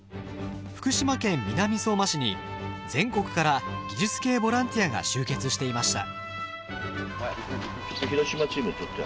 福島県南相馬市に全国から技術系ボランティアが集結していました。